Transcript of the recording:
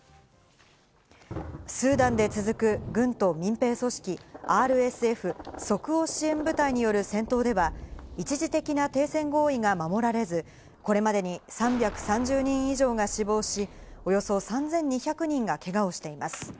スーダンで続く、軍と民兵組織ＲＳＦ＝即応支援部隊による戦闘では一時的な停戦合意が守られず、これまでに３３０人以上が死亡し、およそ３２００人がけがをしています。